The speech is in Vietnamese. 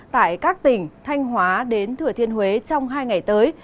tại các tỉnh thanh hóa đến thừa thiên huế trong hai ngày tới